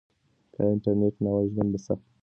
که انټرنيټ نه وای ژوند به سخت و.